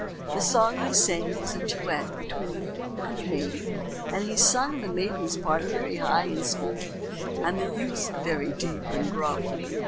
The song he sang was a duet between a youth and a maid, and he sung the maiden's part very high and squeaky and the youth's very deep and gruff.